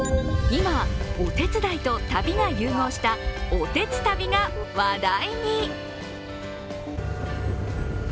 今、お手伝いと旅が融合したおてつたびが話題に。